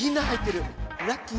ラッキー。